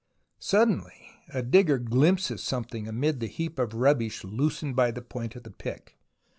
Suddenly a digger glimpses something amid the heap of rubbish loosened by the point of the pick.